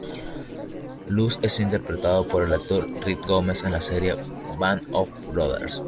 Luz es interpretado por el actor Rick Gomez en la serie Band of Brothers.